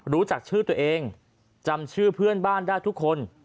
รู้จักชื่อตัวเองจำชื่อเพื่อนบ้านได้ทุกคน